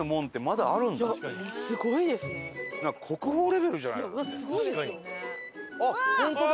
国宝レベルじゃないの？だって。